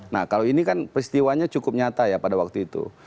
nah kalau ini kan peristiwanya cukup nyata ya pada waktu itu